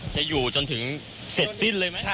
จะอยู่จนถึงเสร็จสิ้นเลยมั้ยครับ